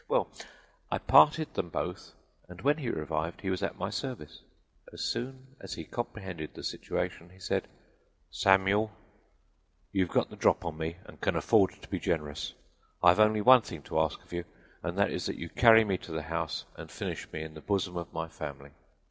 Well, I parted them both, and when he revived he was at my service. As soon as he comprehended the situation, he said: "'Samuel, you have got the drop on me and can afford to be generous. I have only one thing to ask of you, and that is that you carry me to the house and finish me in the bosom of my family.'